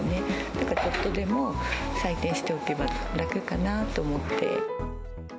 なんかちょっとでも採点しておけば楽かなと思って。